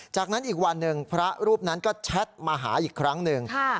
จากนั้นอีกวันหนึ่งพระรูปนั้นก็แชทมาหาอีกครั้งหนึ่ง